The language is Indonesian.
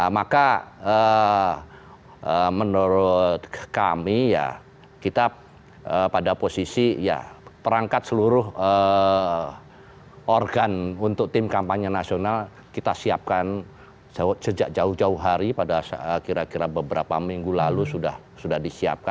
maka menurut kami ya kita pada posisi ya perangkat seluruh organ untuk tim kampanye nasional kita siapkan sejak jauh jauh hari pada kira kira beberapa minggu lalu sudah disiapkan